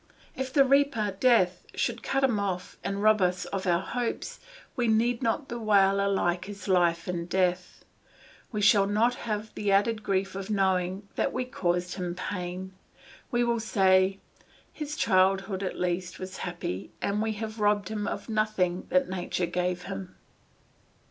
If the Reaper Death should cut him off and rob us of our hopes, we need not bewail alike his life and death, we shall not have the added grief of knowing that we caused him pain; we will say, "His childhood, at least, was happy; we have robbed him of nothing that nature gave him."